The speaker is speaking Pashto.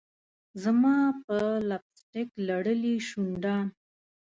زما په لپ سټک لړلي شونډان